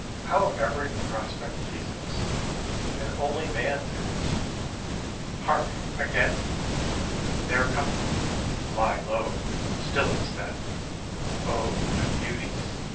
How every prospect pleases, and only man is hark, again! They are coming. Lie low. Still as death. Oh! the beauties!